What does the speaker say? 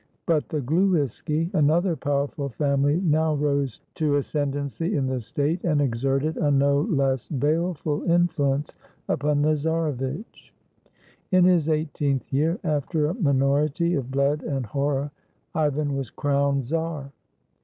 But the Gluiski, another powerful family, now rose to ascendancy in the state, and exerted a no less baleful influence upon the czarevitch. In his eighteenth year, after a minority of blood and horror, Ivan was crowned czar.